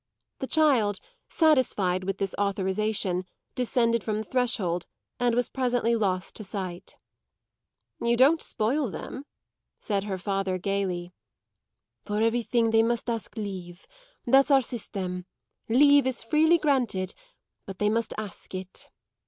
The child, satisfied with this authorisation, descended from the threshold and was presently lost to sight. "You don't spoil them," said her father gaily. "For everything they must ask leave. That's our system. Leave is freely granted, but they must ask it."